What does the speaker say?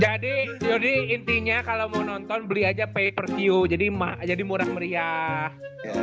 jadi jadi intinya kalo mau nonton beli aja pay per view jadi ma jadi murah meriah ya